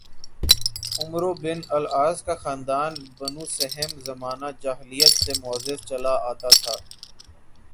"عمروبن العاص کا خاندان "بنوسہم"زمانہ جاہلیت سے معزز چلا آتا تھا"